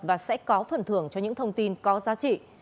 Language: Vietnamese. và sẽ có phần thưởng cho những thông tin có giá trị